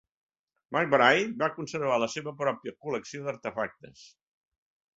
McBride va conservar la seva pròpia col·lecció d'artefactes.